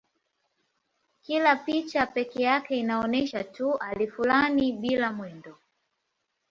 Kila picha pekee yake inaonyesha tu hali fulani bila mwendo.